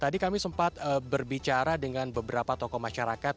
tadi kami sempat berbicara dengan beberapa tokoh masyarakat